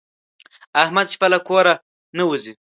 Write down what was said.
احمد شپه له کوره نه وځي.